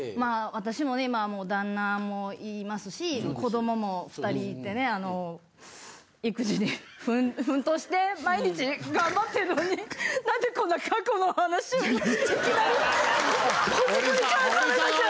私もね今もう旦那もいますし子どもも２人いてねあの育児に奮闘して毎日頑張ってるのに何でこんな過去の話をいきなりほじくり返されなきゃ。